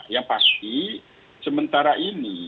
yang pasti sementara ini